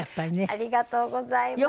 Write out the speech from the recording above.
ありがとうございます。